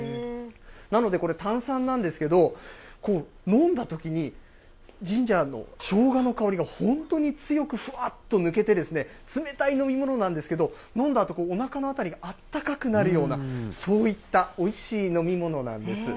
なので、これ炭酸なんですけど、飲んだときに、ジンジャーのしょうがの香りが、本当に強くふわっと抜けてですね、冷たい飲み物なんですけど、飲んだあと、おなかの辺りがあったかくなるような、そういったおいしい飲み物なんです。